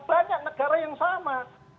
banyak negara yang sama